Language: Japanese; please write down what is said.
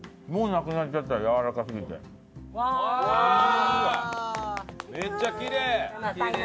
もうなくなっちゃったやわらかすぎて。